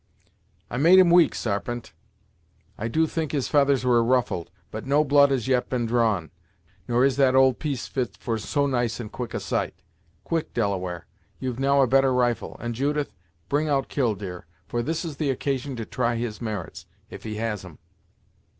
"I made him wink, Sarpent, I do think his feathers were ruffled, but no blood has yet been drawn, nor is that old piece fit for so nice and quick a sight. Quick, Delaware, you've now a better rifle, and, Judith, bring out Killdeer, for this is the occasion to try his merits, if he has 'em."